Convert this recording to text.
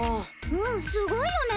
うんすごいよね。